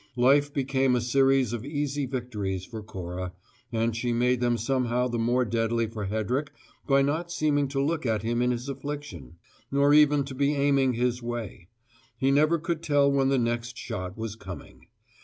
Life became a series of easy victories for Cora, and she made them somehow the more deadly for Hedrick by not seeming to look at him in his affliction, nor even to be aiming his way: he never could tell when the next shot was coming.